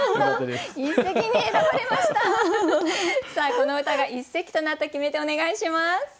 この歌が一席となった決め手お願いします。